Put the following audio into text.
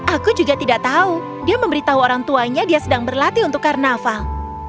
aku juga tidak tahu dia memberitahu orang tuanya dia sedang berlatih untuk karnaval